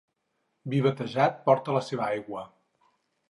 Vi batejat porta la seva aigua.